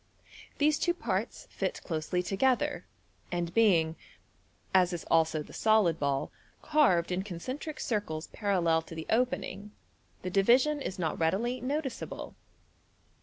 These two parts fit closely together, and being (as is also the solid ball) q _^^> q carved in concentric circles parallel to the opening, the division is not readily notice able.